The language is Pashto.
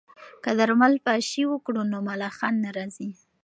که درمل پاشي وکړو نو ملخان نه راځي.